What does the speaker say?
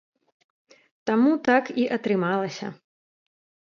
Таму так і атрымалася.